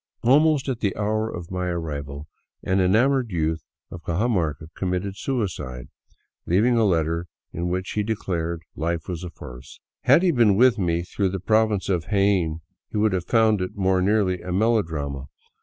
Almost at the hour of my arrival an enamored youth of Cajamarca committed suicide, leaving a letter in which he declared life was a farce. Had he been with me through the Province of Jaen, he would have found it more nearly a melodrama.